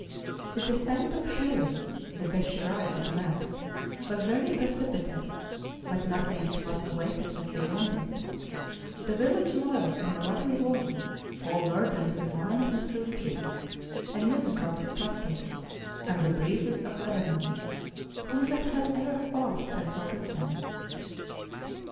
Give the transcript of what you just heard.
The descent to Psherre (the Beshirai of the maps) was very precipitous, but nothing to what awaited us beyond it; the village lies in a lovely valley, all verdant with vines and fruit trees, and musical with cascades; and the breezes of Lebanon, —who that has ever quaffed can forget them